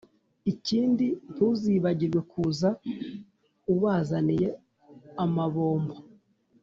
ikindi ntuzibagirwe kuza ubazaniye amabombo,